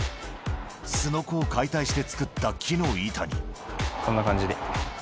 すのこを解体して作った木のこんな感じで。